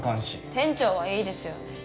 店長はいいですよね